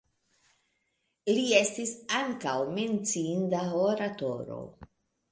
Li estis ankaŭ menciinda oratoro.